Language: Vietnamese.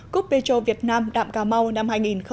cúp vê chô việt nam đạm cà mau năm hai nghìn một mươi chín